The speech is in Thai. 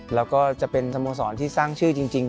แล้วก็จะเป็นสโมสรที่สร้างชื่อจริง